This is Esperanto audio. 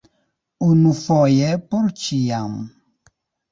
Unufoje por ĉiam!